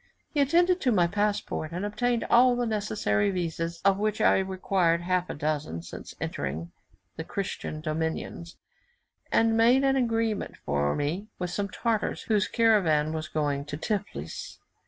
He attended to my passport, and obtained all the necessary vises, of which I required half a dozen since entering the Christian dominions, and made an agreement for me with some Tartars, whose caravan was going to Tiflis.